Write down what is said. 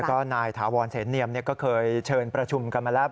ก็นายถาวรเสนเนียมก็เคยเชิญประชุมกันมาแล้ว